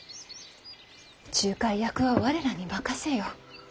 仲介役は我らに任せよ。